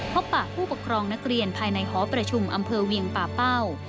พบปะผู้ปกครองนักเรียนภายในหอประชุมอำเภอเวียงป่าเป้า